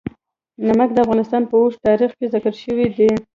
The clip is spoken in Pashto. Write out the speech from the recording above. نمک د افغانستان په اوږده تاریخ کې ذکر شوی دی.